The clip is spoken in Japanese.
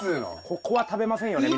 ここは食べませんよね